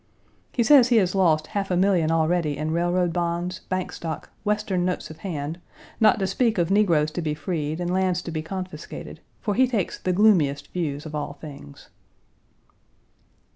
He says he has lost half a million already in railroad bonds, bank stock, Western notes of hand, not to speak of negroes to be freed, and lands to be confiscated, for he takes the gloomiest views of all things.